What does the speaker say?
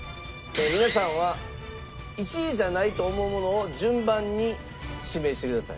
皆さんは１位じゃないと思うものを順番に指名してください。